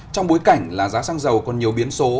trong bối cảnh là giá xăng dầu còn nhiều biến số